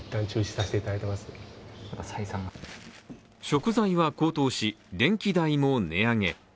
食材は高騰し、電気代も値上げ。